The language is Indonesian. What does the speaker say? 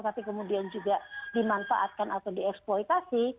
tapi kemudian juga dimanfaatkan atau dieksploitasi